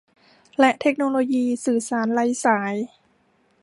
และเทคโนโลยีสื่อสารไร้สาย